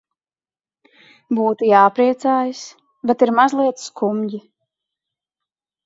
Būtu jāpriecājas, bet ir mazliet skumji.